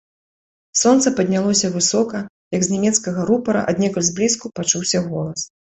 Сонца паднялося высока, як з нямецкага рупара, аднекуль зблізку, пачуўся голас.